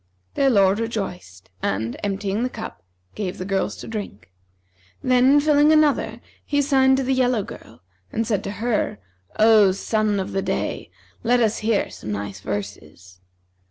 Their lord rejoiced and, emptying the cup, gave the girls to drink. Then filling another he signed to the yellow girl and said to her, O sun of the day, let us hear some nice verses.'